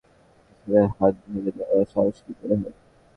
একটা ছেলের হাত ভেঙ্গে দেওয়ার সাহস কী করে হয়!